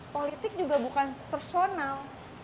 politik juga bukan personal